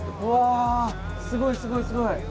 うわすごいすごいすごい！